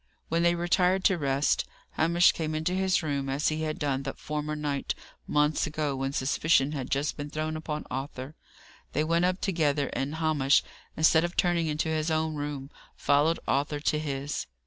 When they retired to rest, Hamish came into his room; as he had done that former night, months ago, when suspicion had just been thrown upon Arthur. They went up together, and Hamish, instead of turning into his own room, followed Arthur to his.